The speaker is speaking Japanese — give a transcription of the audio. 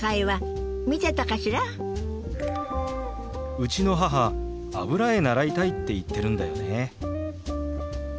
うちの母油絵習いたいって言ってるんだよね。